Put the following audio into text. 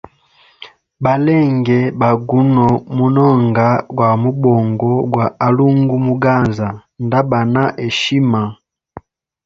Balenge ba guno munonga gwa mubongo gwa alunga muganza nda ba na heshima.